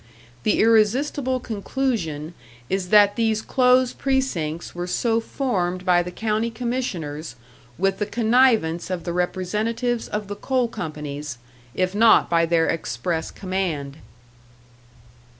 The irresistible conclusion is that these close precincts were so formed by the county commissioners with the connivance of the representatives of the coal companies, if not by their express command.